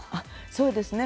そうですね。